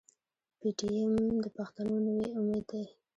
پي ټي ايم د پښتنو نوی امېد دی.